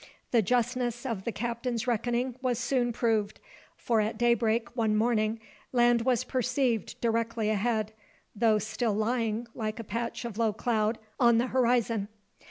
The justness of the captain's reckoning was soon proved; for at daybreak, one morning, land was perceived directly ahead; though still lying, like a patch of low cloud, on the horizon.